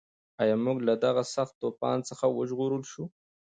ایا موږ له دغه سخت طوفان څخه وژغورل شوو؟